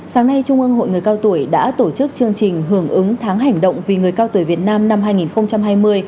sáng nay trung ương hội người cao tuổi đã tổ chức chương trình hưởng ứng tháng hành động vì người cao tuổi việt nam năm hai nghìn hai mươi